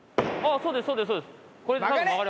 そうですそうです・曲がれ！